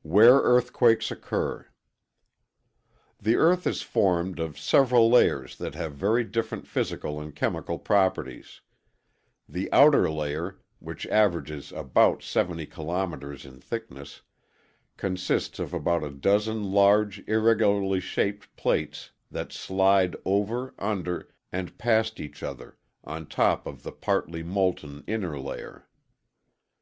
Where Earthquakes Occur The Earth is formed of several layers that have very different physical and chemical properties. The outer layer, which averages about 70 kilometers in thickness, consists of about a dozen large, irregularly shaped plates that slide over, under, and past each other on top of the partly molten inner layer.